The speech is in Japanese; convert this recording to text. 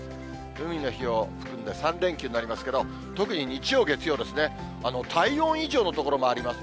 海の日を含んで３連休になりますけど、特に日曜、月曜ですね、体温以上の所もあります。